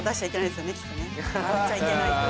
笑っちゃいけない。